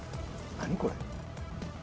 何これ？